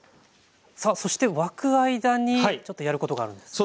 さあそして沸く間にちょっとやることがあるんですよね？